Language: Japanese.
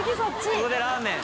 ここでラーメン。